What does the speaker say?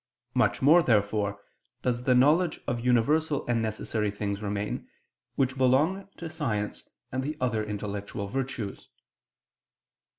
Much more, therefore, does the knowledge of universal and necessary things remain, which belong to science and the other intellectual virtues.